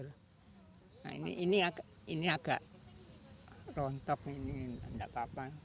nah ini agak rontok ini tidak apa apa